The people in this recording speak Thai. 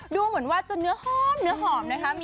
ดูเหมือนว่าจะเนื้อหอมเนื้อหอมนะคะ